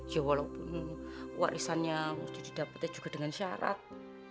ya walaupun warisannya harus didapat juga dengan syarat